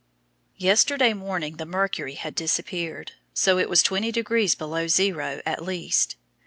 Yesterday morning the mercury had disappeared, so it was 20 degrees below zero at least.